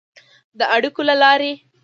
د اړیکو له لارې